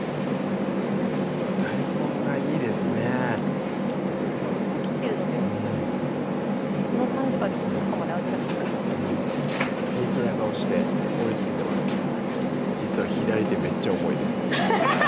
大根がいいですね薄く切ってるのでこの短時間で中まで味がしみると思います平気な顔して盛りつけてますけど実は左手めっちゃ重いです